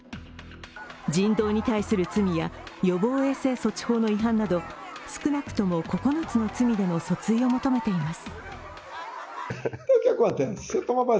人道に対する罪や予防衛生措置法の違反など、少なくとも９つの罪での訴追を求めています。